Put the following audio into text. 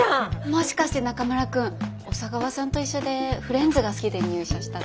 もしかして中村くん小佐川さんと一緒でフレンズが好きで入社したの？